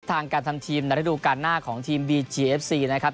ทางการทำทีมในฤดูการหน้าของทีมบีจีเอฟซีนะครับ